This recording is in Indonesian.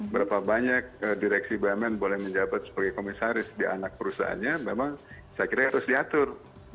berapa banyak direksi bumn boleh menjabat sebagai komisaris di anak perusahaannya memang saya kira harus diatur